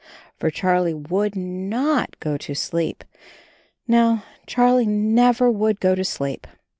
For Charlie would not go to sleep. No, Charlie never would go to sleep.